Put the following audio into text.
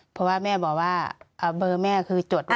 เพราะว่าแม่บอกว่าเบอร์แม่คือจด